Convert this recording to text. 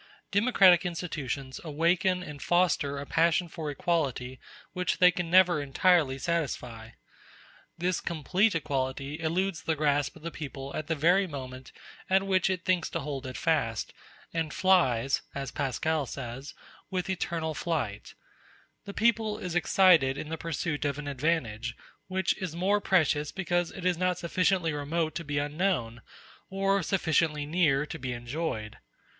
Democratic institutions awaken and foster a passion for equality which they can never entirely satisfy. This complete equality eludes the grasp of the people at the very moment at which it thinks to hold it fast, and "flies," as Pascal says, "with eternal flight"; the people is excited in the pursuit of an advantage, which is more precious because it is not sufficiently remote to be unknown, or sufficiently near to be enjoyed.